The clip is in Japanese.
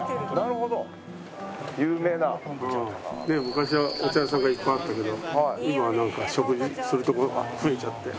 昔はお茶屋さんがいっぱいあったけど今はなんか食事する所が増えちゃって。